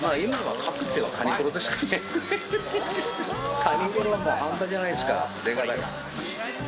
カニコロは半端じゃないですから、出方が。